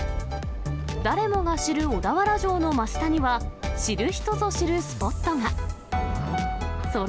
誰もが知る小田原城の真下には、知る人ぞ知るスポットが。